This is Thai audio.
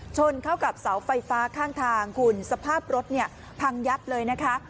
ชนเข้ากับเสาไฟฟ้าข้างทางคุณสภาพรถเนี่ยพังยับเลยนะคะ